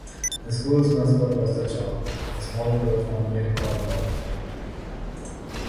The school's mascot was the chough, a small crow found in Cornwall, England.